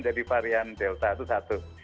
varian delta itu satu